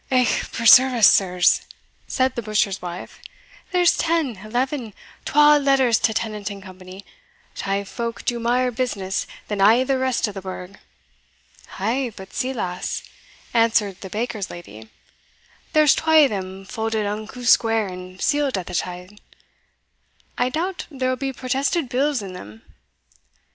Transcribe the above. "Eh, preserve us, sirs!" said the butcher's wife, "there's ten eleven twall letters to Tennant and Co. thae folk do mair business than a' the rest o' the burgh." "Ay; but see, lass," answered the baker's lady, "there's twa o' them faulded unco square, and sealed at the tae side I doubt there will be protested bills in them."